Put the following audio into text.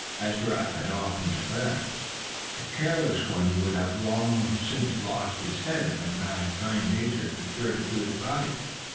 As Giraffe had often declared, the careless one would have long since lost his head had not a kind Nature secured it to his body.